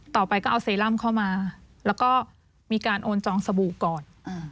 ต่อไปก็เอาเซรั่มเข้ามาแล้วก็มีการโอนจองสบู่ก่อน